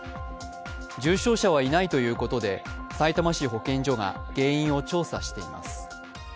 重症者はいないということでさいたま市保健所が原因を調査しています。